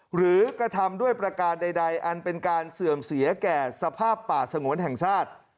หรือกระทำด้วยประการใดอันเป็นการเสื่อมเสียแก่สภาพป่าสงวนแห่งชาติ